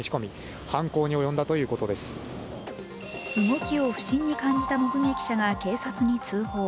動きを不審に感じた目撃者が警察に通報。